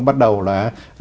bắt đầu là